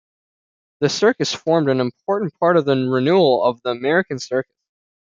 The circus formed an important part of the renewal of the American circus.